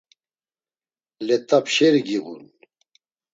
Let̆a pşeri giğun.